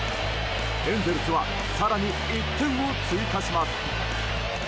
エンゼルスは更に１点を追加します。